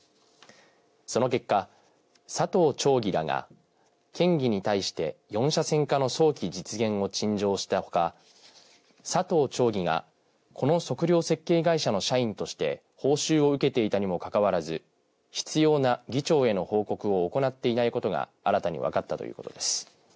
その結果佐藤町議らが県議に対して４車線化の早期実現を陳情したほか佐藤町議がこの測量設計会社の社員として報酬を受けていたにもかかわらず必要な議長への報告を行っていないことが新たに分かったということです。